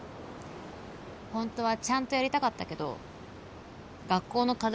ホントはちゃんとやりたかったけど学校の課題